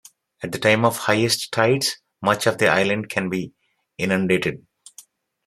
At the time of highest tides much of the island can be inundated.